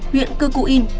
huyện cư cụ yên